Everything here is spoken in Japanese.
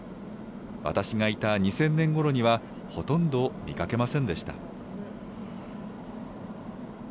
私がいた２０００年ごろには、ほとんど見かけませんでした。